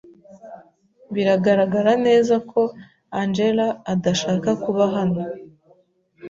Biragaragara neza ko Angella adashaka kuba hano.